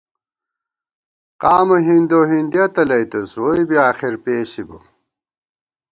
قامہ ہِندوہِندِیَہ تلَئیتُوس ، ووئی بی آخر پېسِبہ